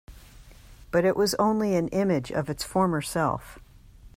But it was only an image of its former self.